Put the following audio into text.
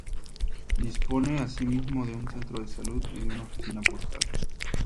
Dispone asimismo de un centro de salud y de una oficina postal.